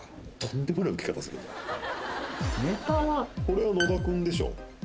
これは野田君でしょ。